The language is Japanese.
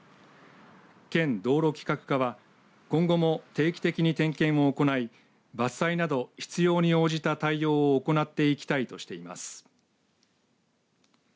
県道路企画課は今後も定期的に点検を行い伐採など必要に応じた対応を行っていきたいとしています。